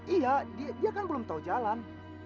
iya dia kan belum tahu jalan